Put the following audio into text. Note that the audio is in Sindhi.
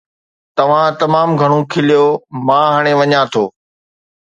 توهان تمام گهڻو کليو، مان هاڻي وڃان ٿو